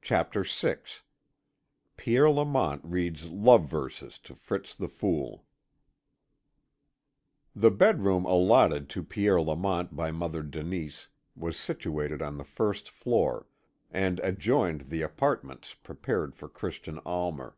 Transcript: CHAPTER VI PIERRE LAMONT READS LOVE VERSES TO FRITZ THE FOOL The bedroom allotted to Pierre Lamont by Mother Denise was situated on the first floor, and adjoined the apartments prepared for Christian Almer.